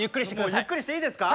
ゆっくりしていいですか。